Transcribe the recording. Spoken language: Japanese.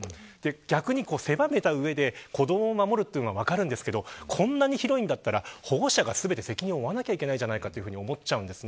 逆に狭めた上で子どもを守るのも分かりますがこんなに広いのであれば保護者が全て責任を負わないといけないじゃないかと思うんです。